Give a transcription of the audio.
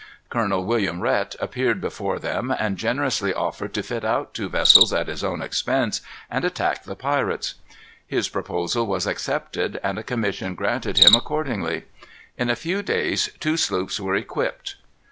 Colonel William Rhet appeared before them and generously offered to fit out two vessels, at his own expense, and attack the pirates. His proposal was accepted, and a commission granted him accordingly. In a few days two sloops were equipped.